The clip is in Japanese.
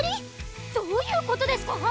どういうことですか？